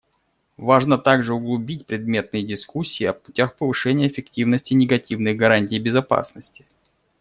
Важно также углубить предметные дискуссии о путях повышения эффективности негативных гарантий безопасности.